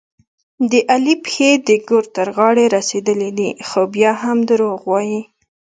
د علي پښې د ګور تر غاړې رسېدلې دي، خو بیا هم دروغ وايي.